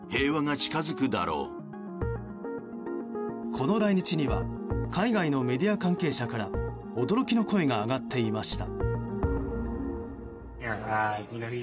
この来日には海外のメディア関係者から驚きの声が上がっていました。